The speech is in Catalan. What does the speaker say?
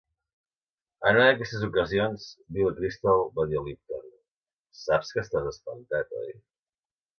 En una d'aquestes ocasions, Billy Crystal va dir a Lipton: "Saps que estàs espantat, oi?".